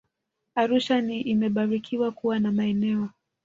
Arusha ni imebarikiwa kuwa na maeneo